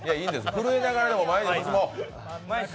震えながらでも前に進もう。